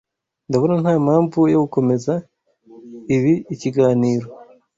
Ndabona nta mpamvu yo gukomeza ibiikiganiro.